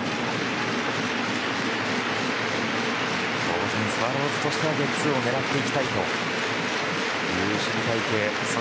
当然、スワローズとしてはゲッツーを狙っていきたい守備隊形です。